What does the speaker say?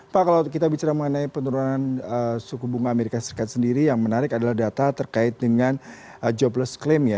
pak kalau kita bicara mengenai penurunan suku bunga amerika serikat sendiri yang menarik adalah data terkait dengan jobless claim ya